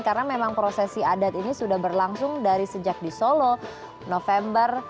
karena memang prosesi adat ini sudah berlangsung dari sejak di solo november